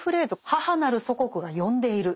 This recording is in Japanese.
「母なる祖国が呼んでいる！」。